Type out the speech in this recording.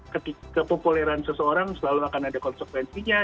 ketika kepopuleran seseorang selalu akan ada konsekuensinya